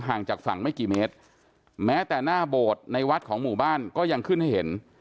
จากฝั่งไม่กี่เมตรแม้แต่หน้าโบสถ์ในวัดของหมู่บ้านก็ยังขึ้นให้เห็น